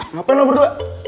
ngapain lo berdua